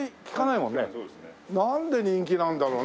なんで人気なんだろうな？